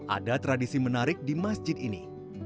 ada tradisi menarik di masjid ini